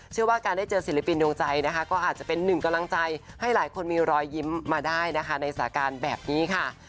เชื่อว่าการได้เจอศิลปินดวงใจนะคะก็อาจจะเป็นหนึ่งกำลังใจให้หลายคนมีรอยยิ้มมาได้นะคะในสาการแบบนี้ค่ะ